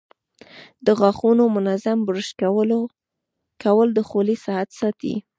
د غاښونو منظم برش کول د خولې صحت ساتي.